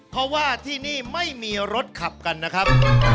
เพราะว่าที่นี่ไม่มีรถขับกันนะครับ